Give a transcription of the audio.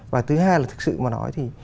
và thứ hai là thực sự mà nói thì